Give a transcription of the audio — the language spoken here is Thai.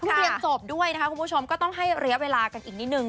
เรียนจบด้วยนะคะคุณผู้ชมก็ต้องให้ระยะเวลากันอีกนิดนึง